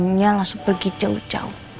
jamnya langsung pergi jauh jauh